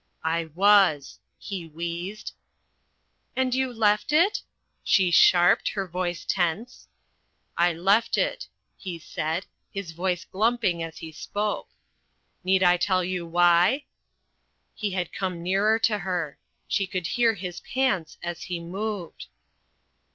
"I was," he wheezed. "And you left it?" she sharped, her voice tense. "I left it," he said, his voice glumping as he spoke. "Need I tell you why?" He had come nearer to her. She could hear his pants as he moved.